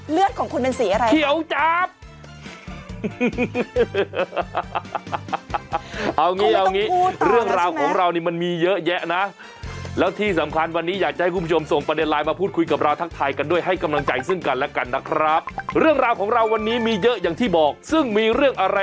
แล้วค่ะเลือดคุณเป็นสีอะไรคะเลือดของคุณเป็นสีอะไร